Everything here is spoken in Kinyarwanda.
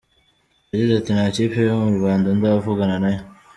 Yagize ati “Nta kipe yo mu Rwanda ndavugana nayo.